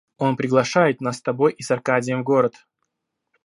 Он приглашает нас с тобой и с Аркадием в город.